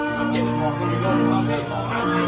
พอเจอนักศึกษา